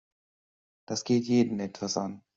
Das geht jeden etwas an.